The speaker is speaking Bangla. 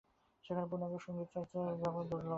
সেখানে পূর্ণাঙ্গ সঙ্গীতযন্ত্রের ব্যবহারও দুর্লভ।